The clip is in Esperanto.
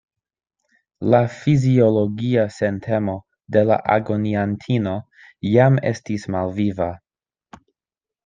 La fiziologia sentemo de la agoniantino jam estis malviva.